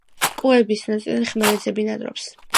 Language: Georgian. კუების ნაწილი ხმელეთზე ბინადრობს.